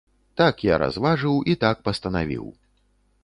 Так я разважыў і так пастанавіў.